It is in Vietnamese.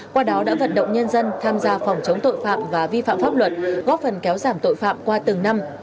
qua đó đã vận động nhân dân tham gia phòng chống tội phạm và vi phạm pháp luật góp phần kéo giảm tội phạm qua từng năm